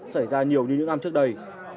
xảy ra nhiều như những năm trước đây